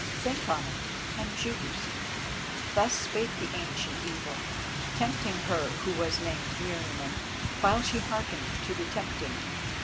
Think on it and choose!" Thus spake the Ancient Evil, tempting her who was named Meriamun, while she hearkened to the tempting.